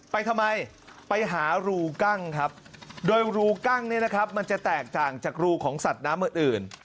ไปทำไมไปหารูกั้งครับโดยรูกั้งเนี่ยนะครับมันจะแตกต่างจากรูของสัตว์น้ำอื่น